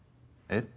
えっ？